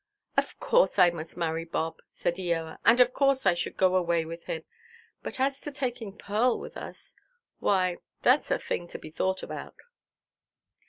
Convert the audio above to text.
"Of course I must marry Bob," said Eoa; "and of course I should go away with him. But as to taking Pearl with us, why, thatʼs a thing to be thought about."